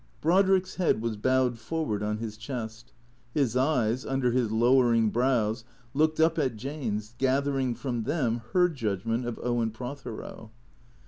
Brodrick's head was bowed forward on his chest. His eyes, under his lowering brows, looked up at Jane's, gathering from them her judgment of Owen Prothero.